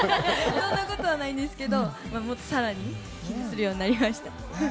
そんなことないんですけれども、さらにするようになりました。